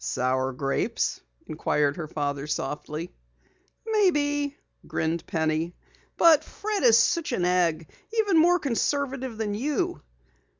"Sour grapes?" inquired her father softly. "Maybe," grinned Penny. "But Fred is such an egg, even more conservative than you."